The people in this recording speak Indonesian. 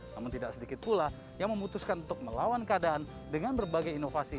namun tidak sedikit pula yang memutuskan untuk melawan keadaan dengan berbagai inovasi